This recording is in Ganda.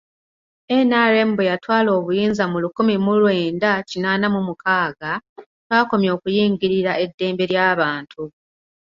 NRM bwe yatwala obuyinza mu lukumi mu lwenda kinaana mu mukaaga, twakomya okuyingirira eddembe ly'abantu.